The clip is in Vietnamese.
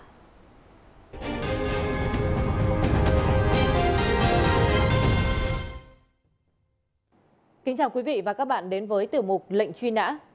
tiếp theo sẽ là các thông tin về truy nã tội phạm